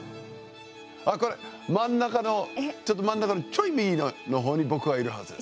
あ、これ、真ん中の真ん中のちょい右の方に僕がいるはずです。